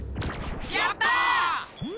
やった！